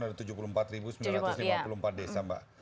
ada tujuh puluh empat sembilan ratus lima puluh empat desa mbak